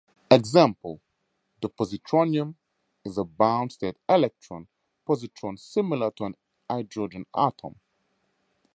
Example: the "positronium" is a bound state electron-positron similar to an hydrogen atom.